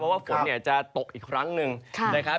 เพราะว่าฝนเนี่ยจะตกอีกครั้งหนึ่งนะครับ